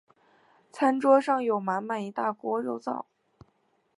餐桌上有满满一大锅肉燥